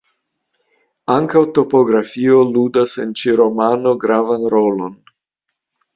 Ankaŭ topografio ludas en ĉi romano gravan rolon.